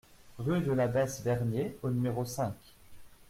Rue de la Basse Vergnée au numéro cinq